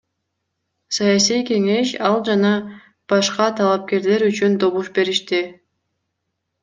Саясий кеңеш ал жана башка талапкерлер үчүн добуш беришти.